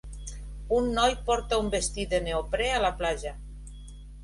Un noi porta un vestit de neoprè a la platja.